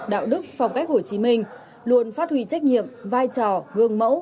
đạo đức phong cách hồ chí minh luôn phát huy trách nhiệm vai trò gương mẫu